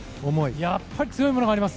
やっぱり強いものがあります。